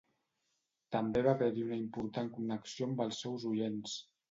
També va haver-hi una important connexió amb els seus oients.